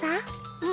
うん。